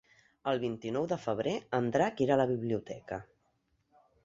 El vint-i-nou de febrer en Drac irà a la biblioteca.